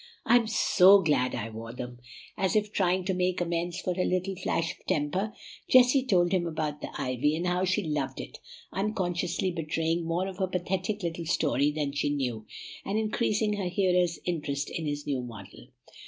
"I'm SO glad I wore them!" and as if trying to make amends for her little flash of temper, Jessie told him about the ivy, and how she loved it, unconsciously betraying more of her pathetic little story than she knew, and increasing her hearer's interest in his new model.